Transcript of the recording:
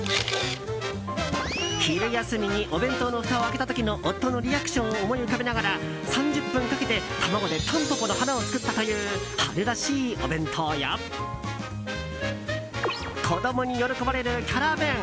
昼休みにお弁当のふたを開けた時の夫のリアクションを思い浮かべながら３０分かけて卵でタンポポの花を作ったという春らしいお弁当や子供に喜ばれるキャラ弁。